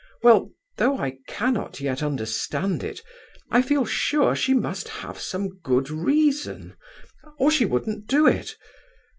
Well, though I cannot yet understand it, I feel sure she must have some good reason, or she wouldn't do it.